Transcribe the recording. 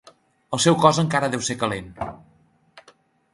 El seu cos encara deu ser calent.